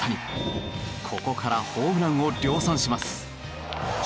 ここからホームランを量産します。